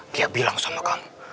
dia bilang sama kamu